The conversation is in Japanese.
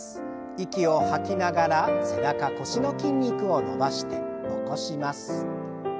息を吐きながら背中腰の筋肉を伸ばして起こします。